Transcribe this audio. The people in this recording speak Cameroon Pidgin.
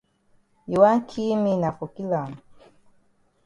You wan ki me na for kill am.